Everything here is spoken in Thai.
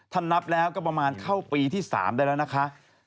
นับแล้วก็ประมาณเข้าปีที่๓ได้แล้วนะคะ